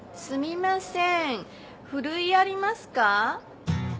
すみませんふるいありますか？